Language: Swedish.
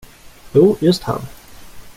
Jo, just han.